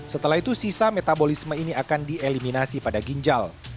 setelah itu sisa metabolisme ini akan dieliminasi pada ginjal